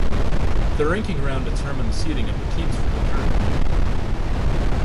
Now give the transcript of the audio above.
The ranking round determined the seeding of the teams for the tournament.